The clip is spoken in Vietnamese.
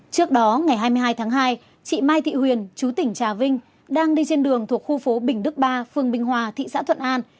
trước đó ngày hai mươi hai tháng hai chị mai thị huyền chú tỉnh trà vinh đang đi trên đường thuộc khu phố bình đức ba phường bình hòa thị xã thuận an